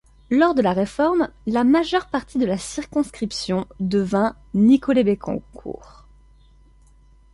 Lors de la réforme, la majeure partie de la circonscription devient Nicolet-Bécancour.